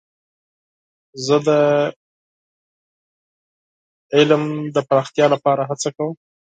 زه د علم د پراختیا لپاره هڅه کوم.